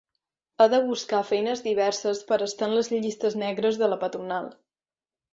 Ha de buscar feines diverses per estar en les llistes negres de la patronal.